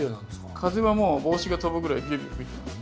風はもう帽子が飛ぶぐらいビュービュー吹いてますね。